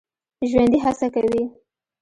ژوندي هڅه کوي